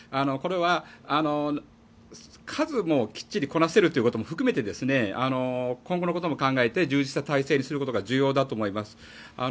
これは数もきっちりこなせるということも含めて今後のことも考えて充実した体制にすることが重要だと思います。